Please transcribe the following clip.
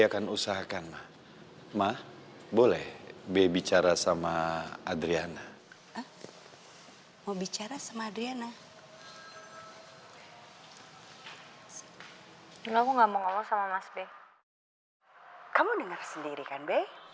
kamu dengar sendiri kan be